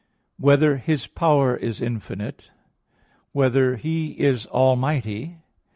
(2) Whether His power is infinite? (3) Whether He is almighty?